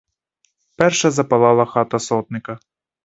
Перша запалала хата сотника.